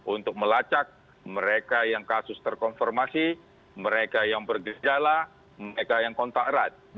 untuk melacak mereka yang kasus terkonfirmasi mereka yang bergejala mereka yang kontak erat